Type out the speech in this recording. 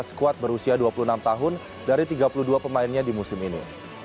skuad berusia dua puluh enam tahun dari tiga puluh dua pemainnya di musim ini